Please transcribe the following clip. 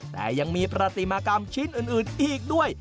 แต่ยังมีประติมากรรมชิ้นอื่นอีกด้วย